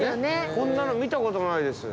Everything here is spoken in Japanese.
こんなの見たこともないです。